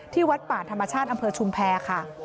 วัดป่าธรรมชาติอำเภอชุมแพรค่ะ